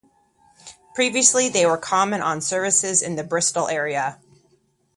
Previously they were common on services in the Bristol area.